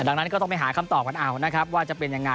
ดังนั้นก็ต้องไปหาคำตอบกันเอานะครับว่าจะเป็นยังไง